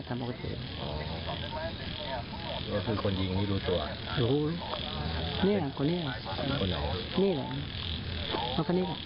พวกนี้พวกนี้หรอพวกนี้หรอพวกนี้หรอพวกนี้หรอ